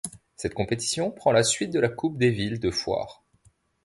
Cette compétition prend la suite de la Coupe des villes de foires.